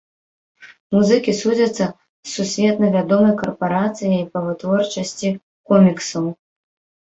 Музыкі судзяцца з сусветна вядомай карпарацыяй па вытворчасці коміксаў.